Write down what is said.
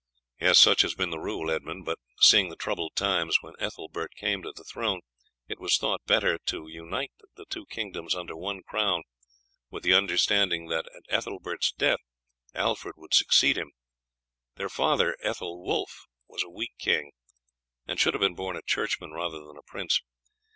"Such has been the rule, Edmund; but seeing the troubled times when Ethelbert came to the throne, it was thought better to unite the two kingdoms under one crown with the understanding that at Ethelbert's death Alfred should succeed him. Their father, Ethelwulf, was a weak king, and should have been born a churchman rather than a prince.